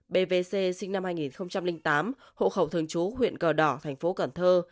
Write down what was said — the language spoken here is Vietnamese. bvc sinh năm hai nghìn tám hộ khẩu thường chú huyện cờ đỏ thành phố cần thơ